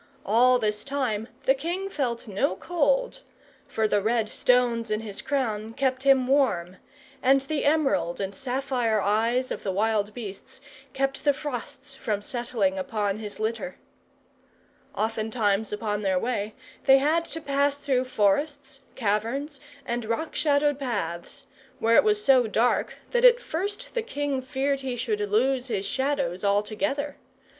All this time the king felt no cold; for the red stones in his crown kept him warm, and the emerald and sapphire eyes of the wild beasts kept the frosts from settling upon his litter. Oftentimes upon their way they had to pass through forests, caverns, and rock shadowed paths, where it was so dark that at first the king feared he should lose his Shadows altogether.